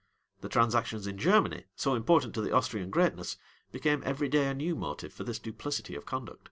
[v] The transactions in Germany, so important to the Austrian greatness, became every day a new motive for this duplicity of conduct.